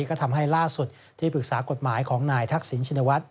ก็ทำให้ล่าสุดที่ปรึกษากฎหมายของนายทักษิณชินวัฒน